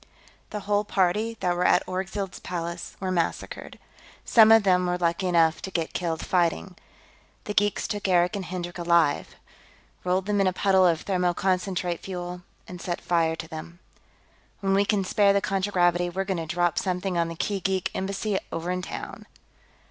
The whole party that were at Orgzild's palace were massacred. Some of them were lucky enough to get killed fighting. The geeks took Eric and Hendrik alive; rolled them in a puddle of thermoconcentrate fuel and set fire to them. When we can spare the contragravity, we're going to drop something on the Kee geek embassy, over in town."